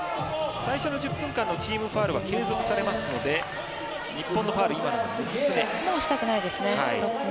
最初の１０分間のチームファウル継続されますので日本のファウル今、６つ目。